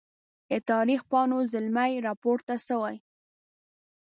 د تاریخ پاڼو زلمي راپورته سوي